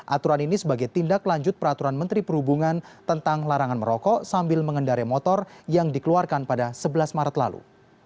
aturan ini sebagai tindak lanjut peraturan menteri perhubungan tentang larangan merokok sambil mengendari motor yang dikeluarkan pada sebelas maret lalu